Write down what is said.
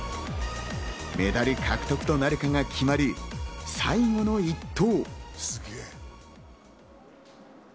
メダル獲得となるかが決まる最後の１投。